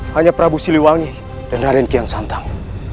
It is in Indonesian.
hanya prabu siliwangi dan aren kian santang